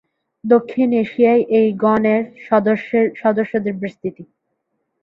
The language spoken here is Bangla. দক্ষিণ এশিয়ায় এই গণের সদস্যদের বিস্তৃতি।